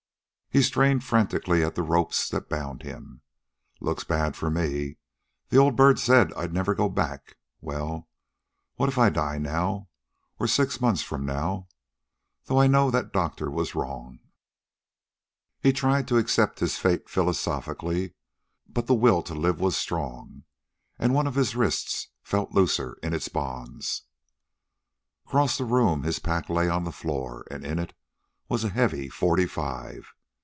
He strained frantically at the ropes that bound him. "Looks bad for me: the old bird said I'd never go back. Well, what if I die now ... or six months from now? Though I know that doctor was wrong." He tried to accept his fate philosophically, but the will to live was strong. And one of his wrists felt looser in its bonds. Across the room his pack lay on the floor, and in it was a heavy forty five.